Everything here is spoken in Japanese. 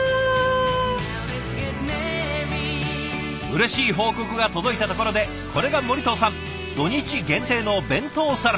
うれしい報告が届いたところでこれが森藤さん土日限定の弁当サラメシ。